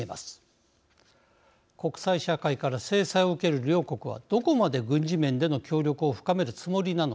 国際社会から制裁を受ける両国はどこまで軍事面での協力を深めるつもりなのか。